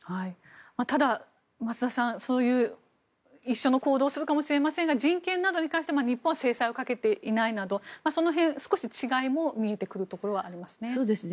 ただ、増田さん一緒の行動をするかもしれませんが人権などに関して日本は制裁をかけていないなどその辺、少し違いも見えてくるところはありますね。